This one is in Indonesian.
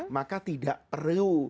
maka tidak perlu